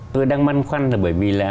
tôi đang măn khoăn là bởi vì là